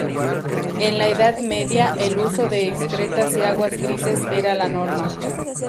En la Edad Media, el uso de excretas y aguas grises era la norma.